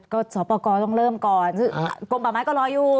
ก็สอบประกอบต้องเริ่มก่อนซึ่งกลมป่าไม้ก็รออยู่